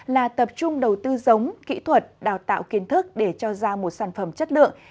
là tập trung đầu tư giống kỹ thuật đào tạo kiến thức để cho ra một sản phẩm chất lượng